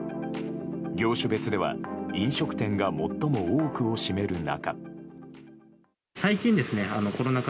業種別では飲食店が最も多くを占める中。